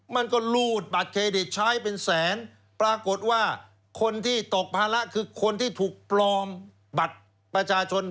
มันก็รูดบัตรเครดิตใช้เป็นแสนปรากฏว่าคนที่ตกภาระคือคนที่ถูกปลอมบัตรประชาชน